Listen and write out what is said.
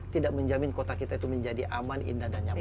tidak menjamin kota kita itu menjadi aman indah dan nyaman